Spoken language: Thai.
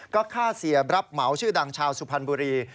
ก็ฆ่าเสียรับเหมาชื่อดังชาวสุพรรณบุรี